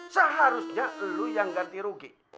seharusnya lu yang ganti rugi